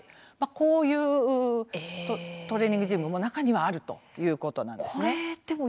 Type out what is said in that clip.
こういうトレーニングジムも中にはあるということです。